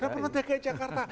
dan pemerintahan dki jakarta